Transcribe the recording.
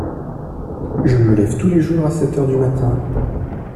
Je me lève tous les jours à sept heures du matin.